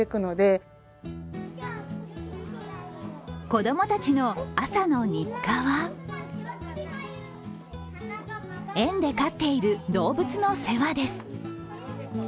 子供たちの朝の日課は園で飼っている動物の世話です。